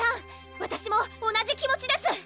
わたしも同じ気持ちです！